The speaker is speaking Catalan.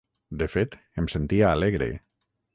De fet, em sentia alegre.